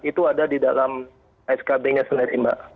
itu ada di dalam skb nya sendiri mbak